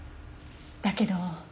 だけど。